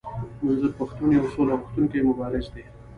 منظور پښتون يو سوله غوښتونکی مبارز دی.